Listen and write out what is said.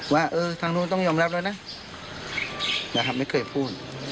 ว่าเออทางนู้นต้องยอมรับแล้วนะนะครับไม่เคยพูด